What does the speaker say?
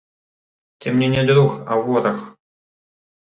Ты мне не друг, а вораг.